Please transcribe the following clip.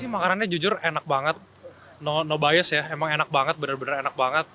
makannya jujur enak banget no bias ya emang enak banget bener bener enak banget